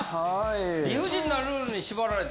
理不尽なルールに縛られて。